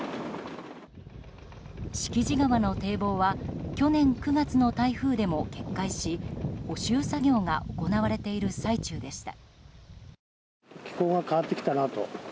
敷地川の堤防は去年９月の台風でも決壊し補修作業が行われている最中でした。